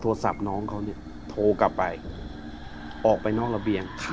โทรศัพท์น้องเขาเนี่ยโทรกลับไปออกไปนอกระเบียง